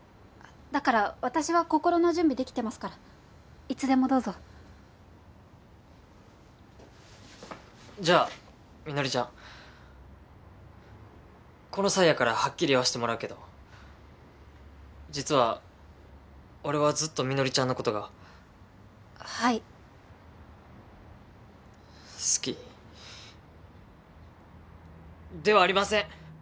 だから私は心の準備できてますからいつでもどうぞじゃあみのりちゃんこの際やからはっきり言わしてもらうけど実は俺はずっとみのりちゃんのことがはい好きではありません！